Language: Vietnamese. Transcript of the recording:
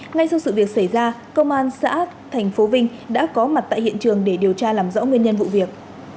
ngay sau sự việc xảy ra công an xã thành phố vinh đã có mặt tại hiện trường để điều tra làm rõ nguyên nhân vụ việc